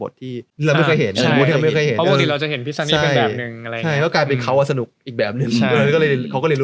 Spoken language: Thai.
เราดูแบบมันแปลกตาแล้ว